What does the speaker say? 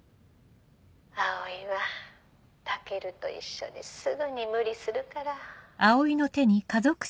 葵は武尊と一緒ですぐに無理するから。